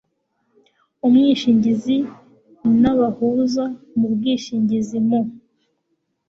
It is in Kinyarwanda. Umwishingizi n abahuza mu bwishingizi mu